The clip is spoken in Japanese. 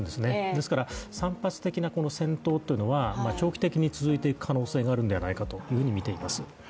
ですから、散発的な戦闘っていうのは長期的に続いていく可能性があるんではないかとみています。